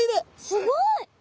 すごい！